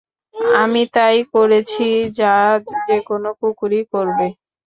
আমি তাই করেছি যা যেকোনো কুকুরই করবে।